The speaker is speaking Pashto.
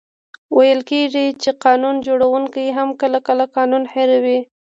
ویل کېږي چي قانون جوړونکې هم کله، کله قانون هېروي.